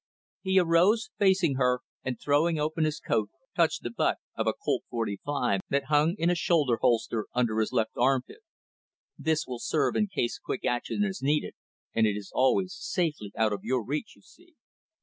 He arose, facing her, and throwing open his coat, touched the butt of a Colt forty five that hung in a shoulder holster under his left armpit. "This will serve in case quick action is needed, and it is always safely out of your reach, you see."